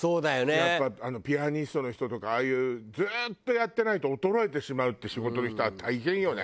やっぱピアニストの人とかああいうずーっとやってないと衰えてしまうっていう仕事の人は大変よね。